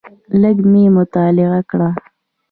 لږ مې مطالعه کړ.